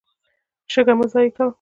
شګه مه ضایع کوه.